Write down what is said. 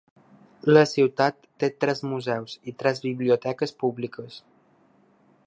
La ciutat té tres museus i tres biblioteques públiques.